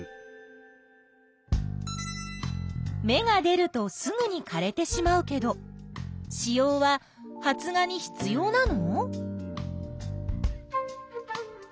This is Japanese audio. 芽が出るとすぐにかれてしまうけど子葉は発芽に必要なの？